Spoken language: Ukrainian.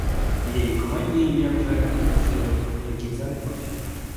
Тієї комедії я вже, як чули, до кінця не бачив.